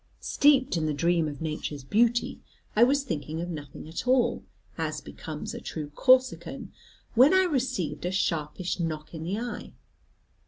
Steeped in the dream of nature's beauty, I was thinking of nothing at all, as becomes a true Corsican, when I received a sharpish knock in the eye.